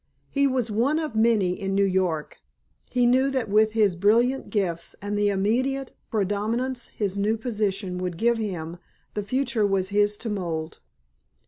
He was one of many in New York; he knew that with his brilliant gifts and the immediate prominence his new position would give him the future was his to mould.